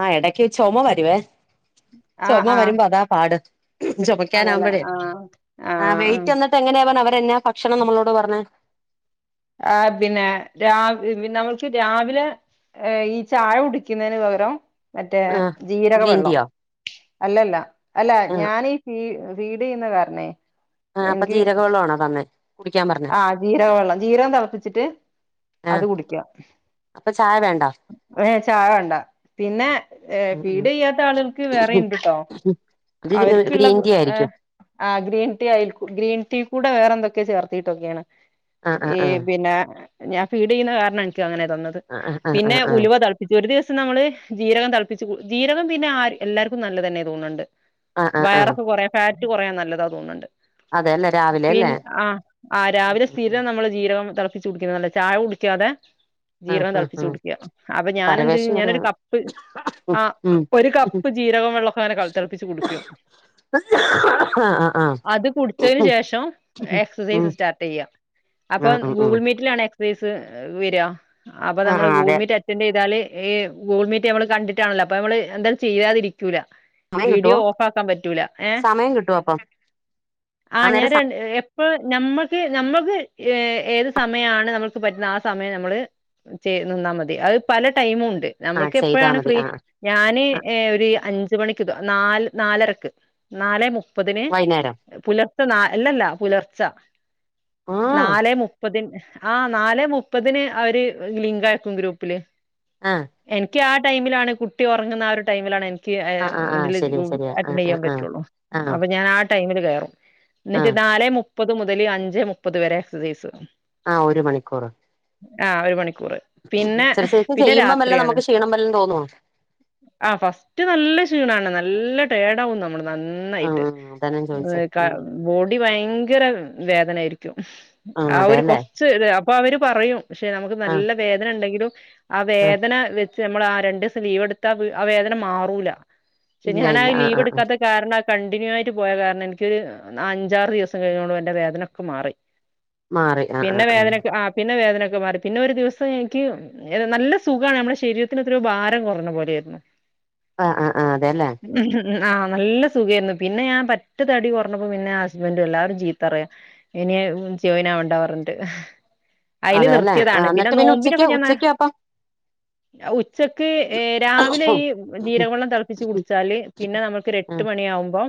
ആ എടയ്ക്ക് ചൊമ വെരുവേ. ആഹ് ചൊമ ആഹ് വെരുമ്പോ അതാ പാട്. അതല്ലേ ചൊമക്കാനാമ്പഴേ. ആഹ് ആ ആഹ് ആഹ് വെയിറ്റ് എന്നിട്ട് എങ്ങനെയാവനാ അവരെന്നാ ഭക്ഷണം നമ്മളോട് പറഞ്ഞേ? ആഹ്, പിന്നെ രാവി പിന്നെ നമ്മൾക്ക് രാവിലെ ഏഹ്, ഈ ചായ കുടിക്കുന്നേന് പകരം മറ്റേ ആഹ് ജീരക ഗ്രീൻ വെള്ളം. ടീയോ അല്ലല്ല അല്ല ആഹ് ഞാനീ ഫീ ഫീഡ് ചെയ്യുന്ന കാരണേ. ആഹ് അപ്പ ജീരകവെള്ള ആണോ തന്നെ, കുടിക്കാൻ പറഞ്ഞെ? ആ ജീരകവെള്ളം. ജീരകം തെളപ്പിച്ചിട്ട് അത് കുടിക്ക്. അപ്പ ചായ വേണ്ട. ഏഹ്, ചായ വേണ്ട. പിന്നെ ഏഹ് ഉം ഫീഡ് ചെയ്യാത്ത ആളുകൾക്ക് വേറെ ഉം ഇണ്ട്ട്ടോ. ഇത് അവര്ക്ക്ള്ള ഗ്രീൻ ടീ ആയിരിക്കും ഏഹ്? ആ ഗ്രീൻ ടീ ആയിരിക്കും, ഗ്രീൻ ടീ കൂടെ വേറെ എന്തൊക്കെ ചേർത്തിട്ടൊക്കെയാണ്. ആഹ് ഈ ആഹ് പിന്നെ ഞാൻ ഫീഡ് ചെയ്യ്ന്ന കാരണം എനിക്ക് അങ്ങനെ തന്നത്. ആഹ് ആഹ് പിന്നെ ആഹ് ആഹ് ഉലുവ തിള പ്പിച്ച്, ഒരു ദിവസം നമ്മള് ജീരകം തളപ്പിച്ച് കുട് ജീരകം പിന്നെ ആര് എല്ലാര്ക്കും നല്ലതന്നെ തോന്ന്ണ്ട്. ആഹ് ആഹ് ആഹ് ആഹ് വയറൊക്ക കൊറയാൻ ഫാറ്റ് കൊറയാൻ നല്ലതാ തോന്ന്ണ്ട്. അതെല്ലേ രാവിലെ അല്ലേ? ആഹ് രാവിലെ സ്ഥിരം നമ്മള് ജീരകം തെളപ്പിച്ച് കുടിക്കുന്ന നല്ലാ ചായ കുടിക്കാതെ ആഹ് ജീരകം ആഹ് ആഹ് തെളപ്പിച്ച് ആഹ് കുടിക്കാ അപ്പൊ പരവേശം ഞാനെന്തെയ്യും ഞാനൊരു വരുവാണ് കപ്പ് ആ ഉം ഒരു കപ്പ് ജീരകം വെള്ളോക്കെ അങ്ങനെ കളു തെളപ്പിച്ച് കുടിക്കും. ആഹ് ആഹ് ആഹ് അത് കുടിച്ചേന് ശേഷം ഉം എക്സസൈസ് സ്റ്റാ ചെയ്യ അപ്പൊ ആഹ് ഉം ഉം ഗൂഗിൾ മീറ്റിലാണ് എക്സൈസ് വെരാ. അപ്പൊ ആഹ് നമ്മള് ആഹ് ഗൂഗിൾ അതെ മീറ്റ് അറ്റന്റ് എയ്താല് ഈ ഗൂഗിൾ മീറ്റ് നമ്മള് കണ്ടിട്ടാണല്ലോ അപ്പൊ നമ്മള് എന്താ ചെയ്യാതിരിക്കൂല. സമയം വീഡിയോ കിട്ടുവോ ഓഫ് ആക്കാ പറ്റൂല ഏഹ് സമയം കിട്ടുവോ അപ്പം ആ ഞാൻ നേരം സ ര ഏഹ് ഇപ്പൊ ഞമ്മക്ക് നമ്മക്ക് ഏത് സമയാണ് നമ്മുക്ക് പറ്റുന്നെ ആ സമയം നമ്മള് ചെയ് നിന്നാ മതി അത് പല ടൈമും ഉണ്ട് ആ നമ്മുക്ക് ചെയ്താ എപ്പോഴാണ് മതി ഫ്രീ ആ ഞാന് ആ ഏഹ് ഒര് അഞ്ച് മണിക്ക് നാല് നാലരക്ക് നാലേ മു മുപ്പതിന് വൈന്നേരം പുലർച്ച നാ അല്ലല്ല പുലർച്ച ആ നാലെ മു മുപ്പതിന് ആ നാലെ മുപ്പതിന് അവര് ലിങ്ക് അയക്കും ഗ്രൂപ്പില്. ആഹ് എനിക്ക് ആ ടൈമിലാണ് കുട്ടി ഒറങ്ങ്ന്ന ആ ഒരു ടൈമിലാണ് എനി ക്ക് അ ആ ആ ആ ഇതില് ശരിയാ ഗു ശരിയാ ആ അറ്റന്റ് ആ ചെയ്യാൻ ആ പറ്റുള്ളൂ ആ അപ്പൊ ഞാൻ ആ ടൈമില് കേറും ആ എന്നിട്ട് നാലെ മുപ്പത് മുതൽ അഞ്ചേ മുപ്പത് വരെ എക്സസൈസ്. ആ ഒരു മണിക്കൂറ്. ആ ഒരു മണിക്കൂറ് പിന്നെ എക്സർസൈസ് പിന്നെ ചെയ്യുമ്പം വല്ല രാത്രിയാണ്. നമുക്ക് ക്ഷീണം വല്ലം തോന്നോ ആ ഫസ്റ്റ് നല്ല ക്ഷീണാണ് നല്ല ടയേടാവു നമ്മള് ആ നന്നായിട്ട് ആ അതാ ഞാൻ ചോദിച്ചേ ഏഹ് ക്കാ ഉം ബോൺ ടി ഭയങ്കര വേദനായിരിക്കും ആ ഒര് കൊറച്ച് അപ്പൊ അവര് പറയും ക്ഷെ നമുക്ക് ആ നല്ല വേദന ഇണ്ടെങ്കിലും ആ വേദന വെ ച് അമ്മളാ ആ രണ്ടീസം ലീവ് എടുത്താ ആ വേദന മാറൂല ഷെ ഇല്ല ഞാനാ ഇല്ല ആ ലീവ് ആ ആ എടുക്കാതെ കാരണം അഹ് കണ്ടിന്യൂ ആയി പോയാ കാരണം എനിക്കൊരു അഞ്ചാറ് ദിവസം കഴിഞ്ഞോളൂ എന്റെ വേദന ക്കെ മാറി മാറി ആ ആ പിന്നെ വേദനക്ക് ആ പിന്നെ വേദനൊക്കെ മാറി പിന്നെ ഒരു ദിവസം എനിക്ക് ഏത് നല്ല സുഖാണ് അമ്മളെ ശരീരത്തിനൊക്കെര് ഭാരം കൊറഞ്ഞ പോലെര്ന്നു. ആഹ് ആഹ് ആഹ് അതെല്ലേ ഉം ആഹ് നല്ല സുഖേര്ന്നു പിന്നെ ഞാ പറ്റതടി കൊർണപ്പോ പിന്നെ ഹസ്ബന്റും എല്ലാരും ചീത്തറയാ ഇനി ജോയിനാവാണ്ട പർഞ്ഞ്ട്ട് അയ്ല് അതെല്ലേ ആ നിർത്തിതാണ് പിന്നെ എന്നിട്ട് ഉച്ചക്ക് നോമ്പിനൊക്കെ ഞാ ഉച്ചക്ക് അപ്പം ഉച്ചക്ക് ഏഹ് രാവിലെ ഈ ജീരകെള്ളം തെളപ്പിച്ച് കുടിച്ചാല് പിന്നെ നമ്മുക്കൊര് ആ എട്ട് മണി ആവുമ്പം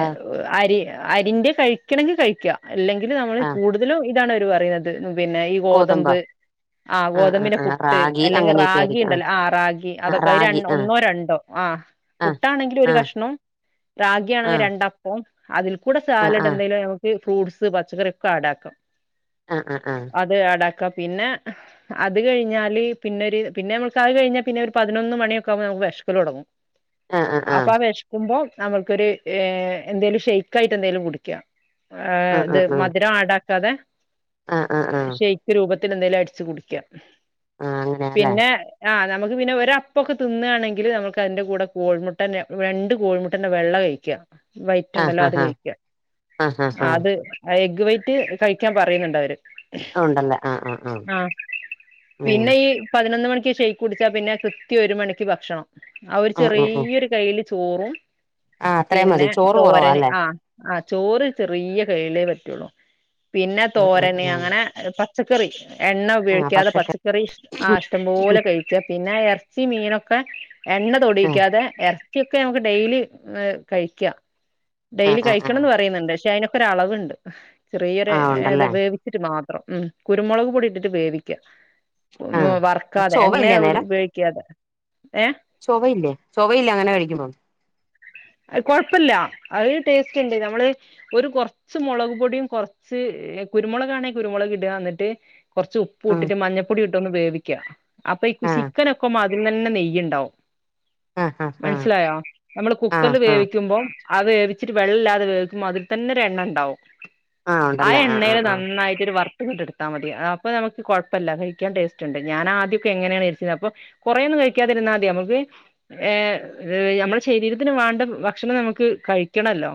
ആ അരി അരിന്റെ കഴിക്കണങ്കി കഴിക്ക എല്ലെങ്കില് നമ്മള് ആ കൂട് തിലും ഇതാണ് ഓര് പറീണത് പിന്നെ ഈ ഗോതമ്പോ ഗോതമ്പ് ആഹ് ആ ആ ഗോതമ്പിന്റെ ആ പുട്ട് റാഗി അല്ലെങ്കി അങ്ങനെയൊക്കെ റാഗി ആയിരിക്കും ആ ഇണ്ടല്ലോ ആഹ് റാഗി ആ അതൊക്കെ ര റാഗി ആ ഒന്നോ രണ്ടോ ആഹ്. ആ പുട്ടാണെങ്കില് ഒരു ആ കഷ്ണം ആ റാഗിണെങ്കി രണ്ട അപ്പൊ അതിൽ കൂടെ ആ സാലഡ് ആ എന്തേലും ഞമക്ക് ഫ്രൂട്ട്സ് പച്ചക്കറിക്കെ ആഡാക്കാം. ആഹ് ആഹ് ആഹ് അത് ആടാക്ക പിന്നെ അത് കഴിഞ്ഞാല് പിന്നെ ഒരു പിന്നെ അമക്ക് അത് കഴിഞ്ഞാ പിന്നെ ഒരു പതിനൊന്ന് മണിക്കെവുമ്പോ അമക്ക് വെഷക്കലൊടങ്ങും. [inaudible] അപ്പൊ ആ ആഹ് വെഷ്ക്കുമ്പോ നമ്മൾക്കൊരു ഏഹ് എന്തേലും ഷെയ്ക്ക് ആയിട്ട് എന്തേലും കുടിക്കാം ആഹ് ഇത് മധുരം ആടാക്കാതെ ആഹ് ആഹ് ആഹ് ആഹ് ആഹ് ആഹ് ആഹ് ഷെയ് രൂപത്തില് എന്തേലും അടിച്ചു കുടിക്കാം അങ്ങനെയാല്ലേ പിന്നെ ആ നമുക്ക് പിന്നെ ഒരപ്പൊക്കെ തിന്ന്കാണെങ്കില് നമുക്ക് അതിന്റെ കൂടെ കോഴിമുട്ടൻ്റെ രണ്ട് കോഴിമുട്ടൻ്റെ വെള്ള കഴിക്കാം ആഹ് വൈറ്റുണ്ടല്ലോ അത് ആഹ് ആഹ് കഴിക്ക ആഹ് ആഹ് അത് എഗ് വൈറ്റ് കഴിക്കാൻ പറയുന്നുണ്ട് അവര് ആഹ് ഉണ്ടല്ലേ ആഹ് ആഹ് ഉം പിന്നെ ഈ പതിനൊന്ന് മണിക്ക് ഷെയ്ഖ് കുടിച്ചാ പിന്നെ കൃത്യം ഒരു മണിക്ക് ഭക്ഷണം അവര് ഉം ഉം ഉം ചെറിയൊരു ഒര് കയ്യില് ചോറും ആഹ് അത്രയും മതി പിന്നെ ചോറ് തോരന് കുറവാല്ലേ ആഹ് ആഹ് ചോറ് ചെറിയ കയ്യിലെ പറ്റുള്ളു പിന്നെ ആഹ് തോരന് ആഹ് ആഹ് അങ്ങനെ പച്ചക്കറി എണ്ണ ഉപയോഗിക്കാതെ പച്ചക്കറി ആ ഇഷ്ടം പോലെ കഴി ക്ക പിന്നെ ഇറച്ചി മീനൊക്കെ എണ്ണ ആഹ് തൊടിയിക്കാതെ എർ ച്ചിയൊക്കെ നമുക്ക് ഡെയിലി കഴിക്കാം ആഹ് ഡെയിലി ആഹ് ആഹ് കഴിക്കണംന്ന് പറയുന്നുണ്ട് പക്ഷെ അതിനൊക്കെ ഒര് അളവുണ്ട് ചെറിയൊരു ആഹ് ഏത് ഉണ്ടല്ലേ വേവി ച്ചിട്ട് മാത്രം ഉം കുരുമുളക് പൊടി ഇട്ടിട്ട് വേവിക്ക ആഹ് വർക്കാതെ ചൊവയില്ലേ എണ്ണയ അന്നേരം ഉപയോഗിക്കാതെ ഏ ചൊവയില്ലേ ചൊവയില്ലേ അങ്ങനെ കഴിക്കുമ്പം കൊഴപ്പില്ല അത് ടേസ്റ്റ് ഉണ്ട് നമ്മള് ഒരു കൊർച്ച് മുളക് പൊടിയും കൊർച്ച് കുരുമുളക് ആണെ കുരുമുളക് ഇടുകാ എന്നിട്ട് കൊർച്ച് ഉ ഉപ്പു ഉം ഇട്ടിട്ട് മഞ്ഞപ്പൊടി ഇട്ടൊന്ന് വേവിക്കുക അപ്പൊ ഈ ആഹ് ചിക്കൻ ഒക്കെ അതിൽ തന്നെ നെയ്യുണ്ടാവും ആഹ് ആഹ് ആഹ് മനസ്സിലായോ നമ്മള് കുക്കറിൽ ആഹ് ആഹ് വേവിക്കുമ്പം അത് വേവിച്ചിട്ട് വെള്ളല്ലാതെ വേവി അതിൽ തന്നെ ഒരു എണ്ണ ഉണ്ടാവും ആഹ് ആ ഉണ്ടല്ലേ ആഹ് എണ്ണയിൽ ആഹ് ആഹ് നന്നായിട്ടൊരു വർ ത്തിങ്ങ് എടുത്താ മതി അപ്പം നമക്ക് കുഴപ്പല്ല കഴിക്കാൻ ടേസ്റ്റ് ഉണ്ട് ഞാൻ ആദ്യൊക്കെ എങ്ങനെയാണ് വിചാരിച്ചത് അപ്പൊ കൊറേ എന്നും കഴിക്കാതിരുന്നാ മതി നമുക്ക് ഏ നമ്മുടെ ശരീരത്തിന് വേണ്ട ഭക്ഷണം നമുക്ക് കഴിക്കണല്ലോ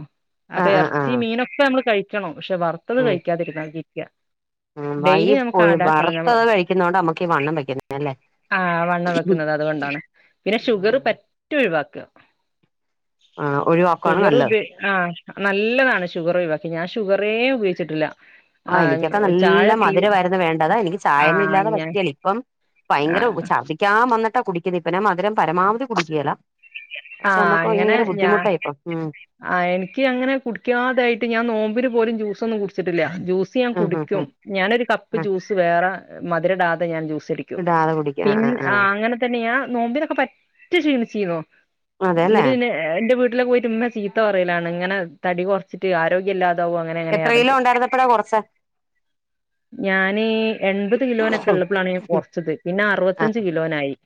അപ്പൊ ആഹ് ആഹ് ഇറച്ചി ആഹ് മീനൊക്കെ നമ്മള് കഴിക്കണം പക്ഷെ വറുത്തത് ഉം കഴിക്കാതിരുന്ന ജീവിക്കാം ഉം വൈ പോയി വറുത്തത് കഴിക്കുന്നോണ്ട നമ്മുക്ക് ഈ വണ്ണം വെക്കുന്ന അല്ലേ ആഹ് വണ്ണം വെക്കുന്നത് അതുകൊണ്ടാണ് പിന്നെ ഷുഗറ് ഉം. പെ റ്റെ ഒഴിവാക്കുക ആ ഒഴിവാക്കുവാണ് ഷുഗർ നല്ലത് ഉപയോ ആഹ് നല്ലതാണ് ഷുഗർ ഒഴിവാക്കി ഞാൻ ഷുഗറേ ഉപയോഗിച്ചിട്ടില്ല ആ ആഹ് എനിക്കൊക്കെ നല്ല ചായ തീ മധുരമായിരുന്നു വേണ്ടതെ എനിക്ക് ആ ചായൊന്നും ഇല്ലാതെ ഞാൻ പറ്റിയേല ഇപ്പം ഭയങ്കര ശർദിക്കാൻ വന്നിട്ടാ കുടിക്കുന്നത് ഇപ്പം ഞാൻ മധുരം പരമാവധി കുടിക്കേല പക്ഷെ നമ്മുക്ക് ഭയങ്കര ബുദ്ധിമുട്ടാ ഇപ്പം ഉം ആഹ് എനിക്ക് അങ്ങനെ കുടിക്കാതായിട്ട് ഞാൻ നോമ്പിന് പോലും ജ്യൂസൊന്നും കുടിച്ചിട്ടില്ല ജ്യൂസ് സ് ഞാൻ ഉം ഉം കുടിക്കും ഉം ഞാനൊരു കപ്പ് ആ ജ്യൂസ് വേറെ മധുര ഇടാതെ ഞാൻ ജ്യൂസടി ക്കും പിൻ ആ അങ്ങനെ തന്നെ ഞാൻ നോമ്പിനൊക്കെ പറ്റ് ക്ഷീണിച്ചീന്നു അതെല്ലേ എന്നിട്ട് പിന്നെ എന്റെ വീട്ടിലൊക്കെ പോയിട്ട് ഉമ്മ ചീത്ത പറയലാണ് ഇങ്ങനെ തടി കൊറച്ചിട്ട് ആരോഗ്യം ഇല്ലാതെ എത്ര കിലോ ഒണ്ടായിരുന്നപ്പയാ കൊറച്ചേ ഞാന് എൺപത് കിലോനൊക്കെ ഉള്ളപ്പോളാണ് ഞാൻ കുറച്ചത് പിന്നെ അറുപത്തഞ്ച് കിലോനായി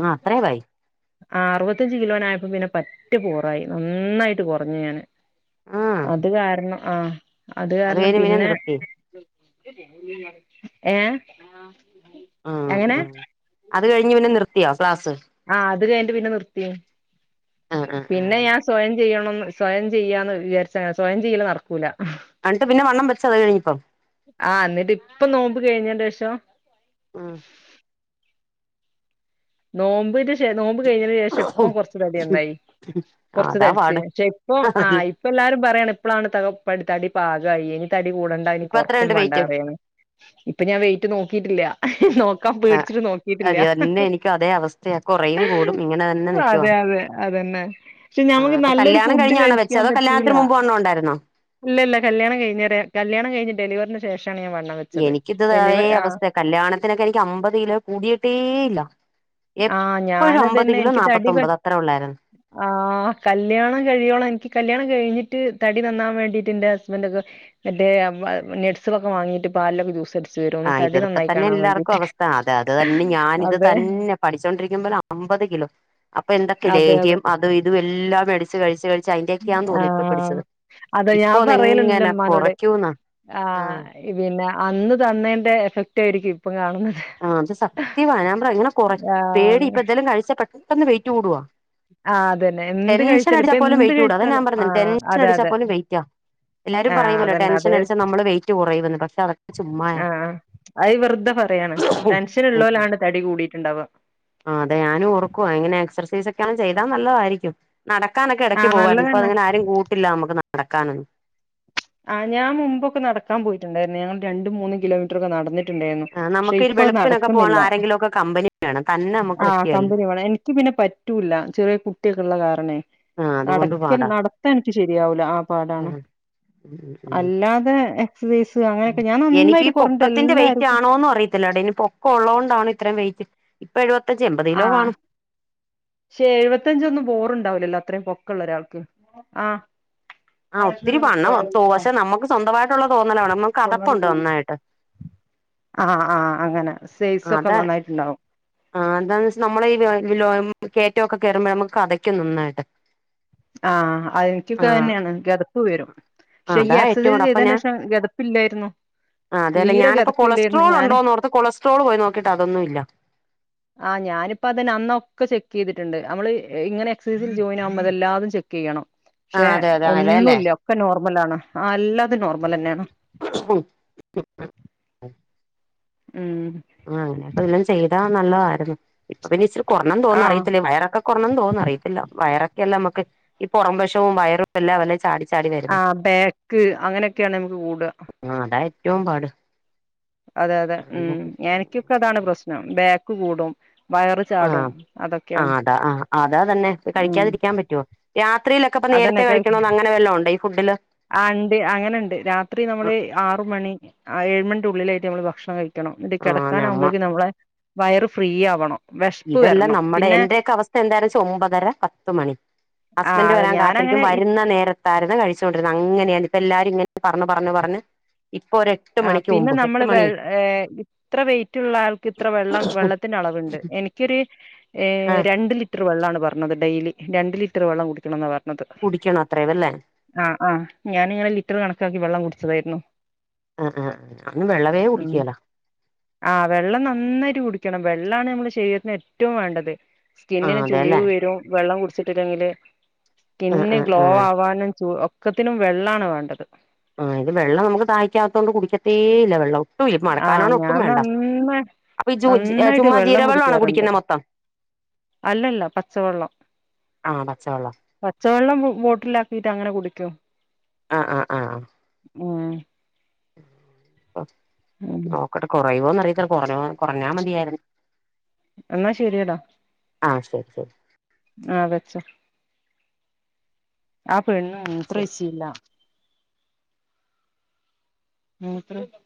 ആഹ് അത്രയും ആയി ആഹ് അറുപത്തഞ്ച് കിലോനായപ്പോ പിന്നെ പറ്റ് പോറായി നന്നായിട്ട് കുറഞ്ഞു ഞാന് ആ അത് കാരണം ആഹ് അത് കാരണം പിന്നെ ഏ ഉം എങ്ങനെ ഉം അത് കഴിഞ്ഞ് പിന്നെ നിർത്തിയോ ക്ലാസ് ആഹ് അത് കഴിഞ്ഞിട്ട് പിന്നെ നിർത്തി ആ ആ ആ പിന്നെ ഞാൻ സ്വയം ചെയ്യണംന്ന് സ്വയം ചെയ്യാന്ന് വിചാരിച്ച് സ്വയം ചെയ്യല് നടക്കൂല അൻത്ത പിന്നെ വണ്ണം വെച്ചതനി പ്പം. ആ എന്നിട്ട് ഇപ്പം നോമ്പ് കയ്ഞ്ഞേൻ്റെഷം. ഉം. നോമ്പ്ന് ഛെ നോമ്പ് കഴിഞ്ഞതിന് ശേഷം ഇപ്പ കൊർച്ച് തടിന്നായി കൊർച്ച് അതാ തട്ച്ച് പാട് പക്ഷെ ഇപ്പം ആയ് ഇപ്പ എല്ലാരും പറ്യാണ് ഇപ്പളാണ് ത തടി പാകായെ ഇനി തടി കൂടണ്ട ഇനി ഇപ്പ കൊർക്കും എത്രയുണ്ട് വേണ്ട വെയിറ്റ് പറ്യാണ്. ഇപ്പം ഞാൻ വെയ്റ്റ് നോക്കിട്ടില്ല നോക്കാൻ പേട്ച്ചിട്ട് നോക്കിട്ടില്ല. ഇക്യും അതേ അവസ്ഥയാ കൊറയും കൂടും ഇങ്ങനെന്നെ അതെ അതെ അതന്നെ. പക്ഷെ ആഹ് ഞമക്ക് അപ്പൊ നല്ലൊരു കല്യാണം ഫുഡ് കഴിഞ്ഞാണോ വെച്ചേ കഴിക്കാൻ അതോ പറ്റൂല. കല്യാണത്തിന് മുമ്പ് വണ്ണം ഉണ്ടായിരുന്നോ ഇല്ല ഇല്ല കല്യാണം കഴ്ഞ്ഞാരെ കല്യാ കയ്ഞ്ഞ് ഡെലിവറിന്ന് ശേഷാണ് ഞാൻ വണ്ണം വെ എനിക്കിത്തതേ അവസ്ഥ കല്യാണത്തിനൊക്കെ എനിക്ക് അമ്പത് കിലോ കൂടിയിട്ടേ ഇല്ല. ആ എപ്പഴും അമ്പത് ഞാനതന്നെ കിലോ എനിക്ക് തടി പെ നാമ്പൊത്തൊമ്പത് അത്ര ഒള്ളായിരുന്നു. ആ കല്യാണം കഴിയോളം എനിക്ക് കല്യാണം കഴിഞ്ഞിട്ട് തടി നന്നാവാൻ വേണ്ടിട്ട് എന്റെ ഹസ്ബന്റൊക്കെ മറ്റേ നെട്സൊക്കെ വാങ്ങീട്ട് പാലൊക്കെ ജൂസട്ച്ച ആ ഇതൊക്കെ തന്നെ എല്ലാർക്കും അവസ്ഥ അതെ അത് തന്നെ ഞാൻ ഇത് അതെ തന്നെ പഠിച്ചോണ്ടിരിക്കുമ്പോ അമ്പത് കിലോ. അപ്പൊ എന്തൊക്കെ അതെ അതെ ലേഹ്യം അതും ഇതും എല്ലാം മേട്ച്ച് കഴ്ച്ച് കയ്ച്ച് അയ്ന്റെക്കെയാ ആ തോന്ന് ഇപ്പൊ പിടിച്ചത്. അതെ ഞാൻ പറയല്ണ്ട് ഇന്റെ ഇപ്പൊന്നെങ്ങനെ മ്മാനോട് കൊറയ്ക്കൂന്നാ ആ ആഹ് പിന്നെ അന്ന് തന്നേന്റെ എഫക്റ്റ് ആയിരിക്കും ഇപ്പം കാണ്ന്നത്. ആ അത് സത്യവ ഞാൻപ്രയ ഇങ്ങനെ കൊറേ ആ പേടി ഇപ്പ ഇതെലും കഴിച്ച പെട്ടന്ന് വെയിറ്റ് കൂടുവാ. ആ അതന്നെ എന്ത് കഴിച്ചാലും ടെൻഷനടിച്ചാൽ ഇപ്പൊ പോലും എന്ത് വെയിറ്റ് കൂട അതാഞാൻ കഴിച്ചാലും പർഞ്ഞെ ആ ടെൻഷൻ അതെ അടിച്ചാ അതെ പോലും വെയ്റ്റാ എല്ലാരും ആഹ് പറയുമല്ലോ അതന്നെ അതെ ടെൻഷനടിച്ചാ നമ്മള് വെയ്റ്റ് കുറയുമെന്ന് പക്ഷെ അതൊക്കെ ചുമ്മായാ ആഹ് അത് വെർതെ പറയാണ് ഉം ടെൻഷൻ ഇള്ളോലാണ് തടി കൂടിട്ട്ണ്ടാവ. ആ അതെ ഞാനും ഓർക്കവാ ഇങ്ങനെ എക്സൈസ് ഒക്കെ ചെയ്താ നല്ലതായിരിക്കും. നടക്കാനൊക്കെ എടയ്ക്ക് ആഹ് പോവയിരുന്നു ഇപ്പൊ നല്ലതന്നെ അങ്ങനെ ആരും കൂട്ടില്ല നമുക്ക് നടക്കാനൊന്നും. ആ ഞാ മുമ്പൊക്കെ നടക്കാൻ പോയ്ട്ട്ണ്ടായിരുന്നു ഞങ്ങ രണ്ട് മൂന്ന് കിലോമീറ്റർക്കെ നടന്ന് ടേന്നു ആഹ് പക്ഷേ നമുക്ക് ഈ ഇപ്പോ അത് വെളുപ്പിനൊക്കെ പോകാൻ നടക്കുന്നില്ല ആരെങ്കിലും ഒക്കെ കമ്പനി വേണം തന്നെ നമുക്ക് ആ പറ്റുകേലല്ലോ കമ്പിനി വേണേ ഇക്ക് പിന്നെ പറ്റൂല ചെറ്യേ കുട്ടിയൊക്കെ ഉള്ള കാരണേ. ആഹ് അതുകൊണ്ട് നടക്ക പാടാ നടത്തം ഇൻക്ക് ശരിയാവൂല ആ പാടാണ്. ഉം ഉം ഉം അല്ലാതെ എക്സസൈസ് അങ്ങനെയൊക്കെ ഞാൻ എനിക്ക് ഈ നന്നായിട്ട് കുറഞ്ഞിട്ട് പൊക്കത്തിന്റെ വെയ് എല്ലാർക്കും റ്റാണോന്നും അറിയത്തില്ലടോ ഇനി പോ കൊള്ളോണ്ടാണ് ഇത്രയും വെയ്റ്റ് ഇപ്പൊ എഴുപത്തഞ്ച് എൺമ്പത് കിലോ ആഹ് കാണും. പക്ഷെ എഴുപത്തഞ്ചൊന്നും പോറുണ്ടാവൂലല്ലോ അത്രയും പൊക്കള്ള ഒരാൾക്ക് ആ ആ ഒത്തിരി വണ്ണം പക്ഷെ നമുക്ക് സ്വന്തമായിട്ടുള്ള തോന്നല് വേണം നമ്മ ആ ആ അങ്ങനെ സൈസ് ഒക്കെ അതെ നന്നായിട്ട്ണ്ടാവും. ആ അതാന്ന് നമ്മള് ഈ ലോ കയറ്റോക്കെ കേറൂ മ്പോഴ നമ്മുക്ക് കെതയ്ക്കും നന്നായിട്ട്. ആഹ് ആ എനിക്കൊക്കെ അതന്നെയാണ് കെതപ്പ് വരും. ക്ഷെ ഈ അതാ ഏറ്റവും എക്സസൈസ് കൂടെ അപ്പൊ ഞാൻ ചെയ്തേനേഷം ഗെതപ്പില്ലായിരുന്നു. ആ അതെ ല്ലെ ഞാനിപ്പോ കൊളസ്ട്രോള് ണ്ടോന്നോർത്ത് കൊളസ്ട്രോൾ പോയി നോക്കിട്ട് അതൊന്നും ഇല്ല. ആ ഞാനിപ്പപ്പോ അതെ അന്നൊക്കെ ചെക്ക് ചെയ്തിട്ണ്ട് നമ്മള് ഇങ്ങനെ എക്സൈസിൽ ജോയിൻ ആവുമ്പോ അത് എല്ലാ ചെക്കെയ്യണം ആ പക്ഷെ അതെ അതെ അങ്ങനെയല്ലേ ഒന്നുല്ല ഒക്കെ നോർമലാണ് ആ എല്ലാ തുംനോർമലെന്നെയാണ്. ഉം. ഉം ആഅങ്ങനൊക്കെ വല്ലോം ചെയ്താ നല്ലതായിരുന്നു ഇപ്പൊ പിന്നെ ഇച്ചിരി കുറഞ്ഞെന്ന് തോന്നന്ന് ആഹ് അറിയത്തില്ലേ വയറൊക്കെ കുറഞ്ഞെന്ന് തോന്നുന്നു അറയിത്തില്ല വയറൊക്കെല്ലാം നമുക്ക് ഈ പുറം വശവും വയറും എല്ലാംചാടി ആ ബാക്ക് അങ്ങനെയൊക്കെയാണ് നമുക്ക് കൂടാ അ അതാ ഏറ്റവും പാട് അതെ അതെ ഉം എനിക്കൊക്കെ അതാണ് പ്രശ്നം ബാക്ക് കൂടും വയറ് അ ചാടും ആ അതൊക്കെയാണ് അതാ ആ അതാ തന്നെ ഉം കഴിക്കാതിരിക്കാൻ പറ്റോ രാത്രിയിലൊക്കെ ഇപ്പ നേരത്തെ അതന്നെ കഴിക്കണോന്ന് അങ്ങനെ വല്ലാം ഉണ്ടോ ഈ ഫുഡില് ആ ഇണ്ട് അങ്ങനെയുണ്ട് രാത്രി നമ്മള് ആറ മണി ഏഴ് മണി ഉള്ളിലായിട്ട് നമ്മള് ഭക്ഷണം കഴിക്കണം ണം ന്നട്ട് ആഹ് നമ്മ കിടക്കാനാവകുമ്പോഴേക്കും നമ്മളെ വയറ് ഫ്രീ ആവണം വിശപ്പ് ഇതെല്ല വരണം ന്നമ്മടെ പിന്നെ എന്റെയൊക്കെ അവസ്ഥ എന്താരെച്ചാ ഒമ്പതര പത്ത് മണി ആ ഹസ്ബൻ്റ് അതെ വെരാൻ കാത്തിരിക്കും ഞാനങ്ങനെ ഇ വരുന്ന നേരത് മര്ന്ന്കഴിച്ചോണ്ടിര്ന്നെ അങ്ങനെയാണ് ഇപ്പ എല്ലാരും ഇങ്ങനെ പറഞ്ഞു പറഞ്ഞു പറഞ്ഞു ഇപ്പൊര് ആഹ് പിന്നെ ന്നമ്മള് വെൾ ഏ ഇത്ര വെയിറ്റുള്ള ആൾക്ക് ഇത്ര വെള്ളം വെള്ളത്തിൻ്റ അളവുണ്ട് എനി എനിക്കൊരു എ ആ രണ്ട് ലിറ്റർ വെള്ളാണ് പർഞ്ഞത് ഡെയ്ലി രണ്ട് ലിറ്റർ വെള്ളം കുടിക്കണം ന്നാ പർഞ്ഞത് കുടിക്കണം അത്രേ വെല്ലേ ആഹ് ആഹ് ഞാനിങ്ങനെ ലിറ്റർ കണക്കാക്കി വെള്ളം കുടിച്ചതായ്രുന്നു ആഹ് ആഹ് അങ് വെള്ളവേ ഉം കുടിക്കേല ആഹ് വെള്ളം ന്നന്നായിട്ട് കുടിക്കണം വെള്ളാണ് നമ്മളെ ശെരീരത്തിന് എറ്റും വേണ്ടത് ആ സ്കിന്നിന് അതെല്ലേ ചുളിവ് വെരും വെള്ളം കുടിച്ചിട്ടില്ലെങ്കില് ആ സ്കിന്ന് ആ ഗ്ലോ ആ ആവാനും ചൂ ഒക്കത്തിനും വെള്ളാണ് വേണ്ടത് ആഹ് ഇത് വെള്ളം നമുക്ക് ദാഹിക്കാത്തോണ്ട് കുടിക്കത്തേ ഇല്ല വെള്ളം ഹോ ഈ മഴക്കാലം ആഹ് ആണ് ഒട്ടും ഞാൻ വേണ്ട നന്ന അപ്പൊ ഈ ജൂ ജി ഏ നന്നായിട്ട് ചുമ്മാ വെള്ളം ജീരവെള്ള ആണോ കുടിക്കാറുണ്ട് കുടിക്കുന്നെ മൊത്തം അല്ലല്ല പച്ചവെള്ളം ആഹ് പച്ചവെള്ളം പച്ചവെള്ളം ബോട്ടിലാക്കിട്ട് അങ്ങന കുടിക്കും ആഹ് ആഹ് ആഹ് മ് ഉം ന്നോക്കട്ടെ കൊറയോന്ന് അറിയത്തില്ല കൊർഞുവ കൊറഞ്ഞാ മതിയായിരുന്നു എന്നാ ശരിയടാ ആ ശെരി ശെരി ആഹ് വെച്ചോ ആ പെണ്ണ് ശരി മൂത്രൊഴ്ചീല്ല മൂത്രൊയ്ക്ക